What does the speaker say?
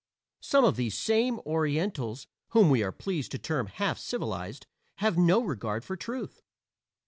Some of these same Orientals whom we are pleased to term half civilized have no regard for truth.